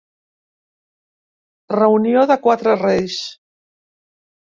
Reunió de quatre reis.